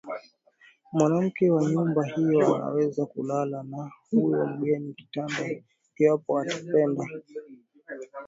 Mwanamke wa nyumba hio anaweza kulala na huyo mgeni kitandani iwapo atapenda